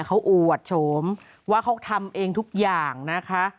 เขาอวดโฉมว่าเขาทำเองทุกอย่างนะคะ